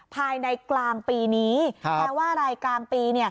ภายในกลางปีนี้แปลว่ารายกลางปี